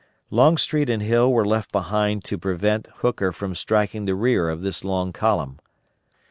Longstreet and Hill were left behind to prevent Hooker from striking the rear of this long column.